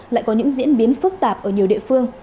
lại có những diễn biến phức tạp ở nhiều địa phương